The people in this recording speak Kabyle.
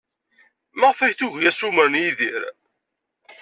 Maɣef ay tugi assumer n Yidir?